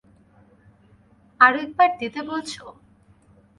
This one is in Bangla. আরেকবার দিতে বলছ?